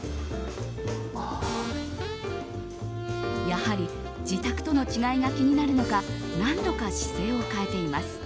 やはり自宅との違いが気になるのか何度か姿勢を変えています。